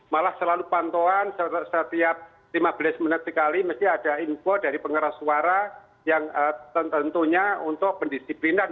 malah selalu pantauan setiap lima belas menit sekali mesti ada info dari pengeras suara yang tentunya untuk pendisiplinan